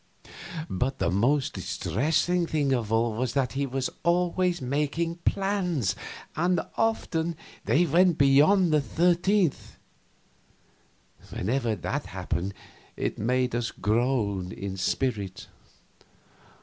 But the most distressing thing of all was that he was always making plans, and often they went beyond the 13th! Whenever that happened it made us groan in spirit.